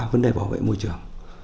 vấn đề bảo vệ môi trường